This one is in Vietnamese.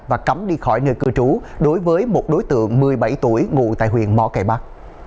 và cấm đi khỏi nơi cư trú đối với một đối tượng một mươi bảy tuổi ngụ tại huyện mỏ cải bắc